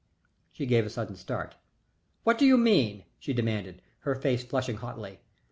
She gave a sudden start. "What do you mean?" she demanded, her face flushing hotly.